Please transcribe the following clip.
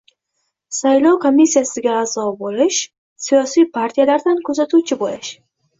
saylov komissiyasiga a’zo bo‘lish, siyosiy partiyalardan kuzatuvchi bo‘lish